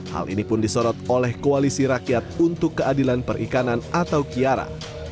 hal ini pun disorot oleh koalisi rakyat untuk keadilan perikanan atau kiara